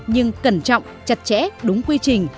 nhưng cẩn trọng chặt chẽ đúng quy trình